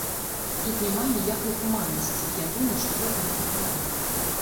Тут няма ніякай гуманнасці, і я думаю, што гэта не патрэбнае.